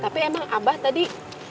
tapi abah tadi